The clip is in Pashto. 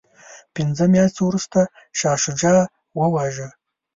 پنځه میاشتې وروسته شاه شجاع وواژه.